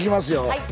はい。